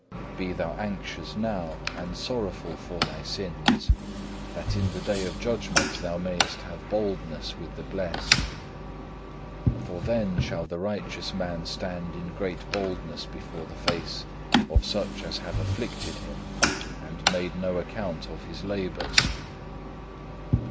Be thou anxious now and sorrowful for thy sins, that in the day of judgment thou mayest have boldness with the blessed. For then shall the righteous man stand in great boldness before the face of such as have afflicted him and made no account of his labours.